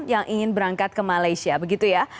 yang ingin berangkat ke malaysia